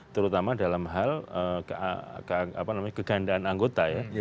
terutama dalam hal kegandaan anggota ya